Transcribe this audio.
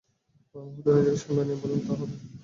পর মুহূর্তেই নিজেকে সামলে নিয়ে বললেন, তা হবে।